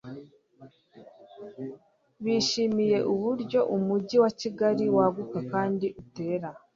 bishimiye uburyo Umujyi wa Kigali waguka kandi utera